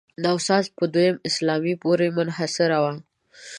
نوسازي په دویم اسلام پورې منحصروي.